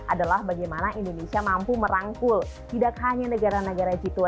adalah bagaimana indonesia mampu merangkul tidak hanya negara negara g dua puluh